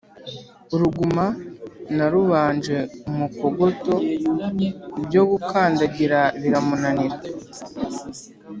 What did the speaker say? Uruguma narubanje umukogoto ibyo gukandagira biramunanira,